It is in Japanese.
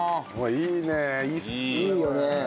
いいよね。